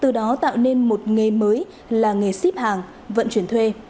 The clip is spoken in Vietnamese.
từ đó tạo nên một nghề mới là nghề ship hàng vận chuyển thuê